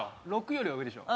６位よりは上でしょ。